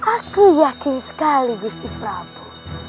aku yakin sekali gisti prabu